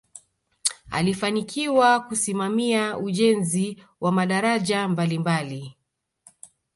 alifanikiwa kusimamia ujenzi wa madaraja mbalimbali